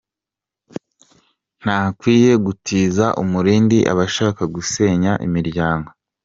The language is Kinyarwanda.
Ntakwiye gutiza umurindi abashaka gusenya imiryango.